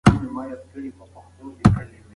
که کالي پاک وي نو ناروغي نه راځي.